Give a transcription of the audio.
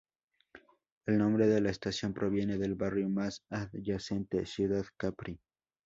El nombre de la estación proviene del barrio más adyacente, Ciudad Capri.